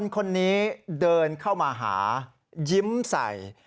คนนี้เดินเข้ามาหายิ้มใส่